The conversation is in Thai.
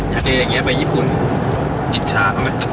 อยากเจออย่างนี้ไปญี่ปุ่นอิจฉาเขาไหม